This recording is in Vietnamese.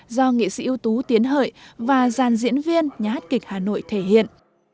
do nghệ sĩ ưu tú tiến hợi và giàn diễn viên nhà hát kịch hà nội thể hiện